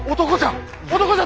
男じゃ！